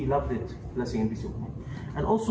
berdoa dan berdoa